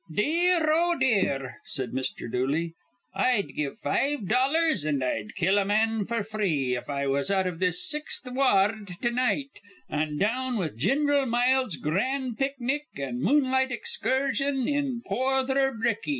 "Dear, oh, dear," said Mr. Dooley, "I'd give five dollars an' I'd kill a man f'r three if I was out iv this Sixth Wa ard to night, an' down with Gin'ral Miles' gran' picnic an' moonlight excursion in Porther Ricky.